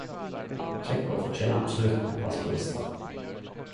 Tsjekov fortjener abselutt ein plass på lista.